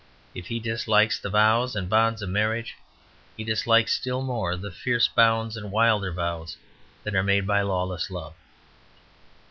If he dislikes the vows and bonds of marriage, he dislikes still more the fiercer bonds and wilder vows that are made by lawless love.